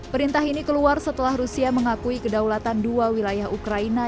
perintah ini keluar setelah rusia mengakui kedaulatan dua wilayah ukraina